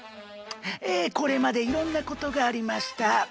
えこれまでいろんなことがありました。